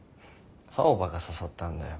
青羽が誘ったんだよ。